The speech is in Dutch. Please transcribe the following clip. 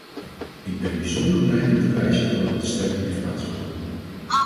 Ik ben bijzonder blij met de wijze waarop de stemming heeft plaatsgevonden.